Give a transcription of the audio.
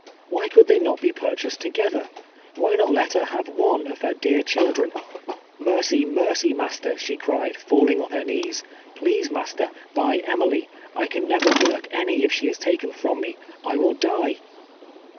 A\^hy eonhl they not be pnrchased together? "Wliy Tiot h't lier liave one of lier dear chikh'en ? "Mercy, mercy, master! " she cried, falling on her knees. " Phrase, master, buy Emily. I can never work any if she is taken from me : I will die."